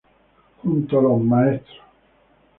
Junto a los maestros.